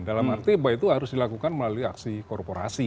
dalam arti bahwa itu harus dilakukan melalui aksi korporasi